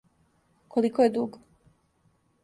Колико је дуг?